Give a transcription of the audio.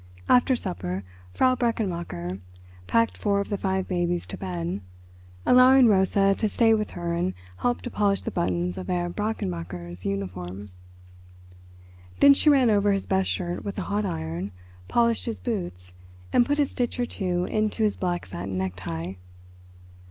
After supper Frau Brechenmacher packed four of the five babies to bed, allowing Rosa to stay with her and help to polish the buttons of Herr Brechenmacher's uniform. Then she ran over his best shirt with a hot iron, polished his boots, and put a stitch or two into his black satin necktie.